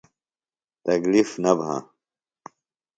تکلیف نہ بھہ۔